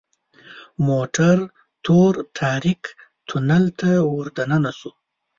موټر تور تاریک تونل ته وردننه شو .